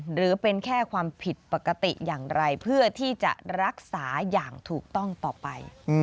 หรือเป็นแค่ความผิดปกติอย่างไรเพื่อที่จะรักษาอย่างถูกต้องต่อไป